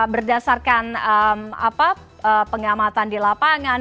berdasarkan pengamatan di lapangan